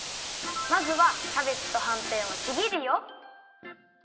まずはキャベツとはんぺんをちぎるよ。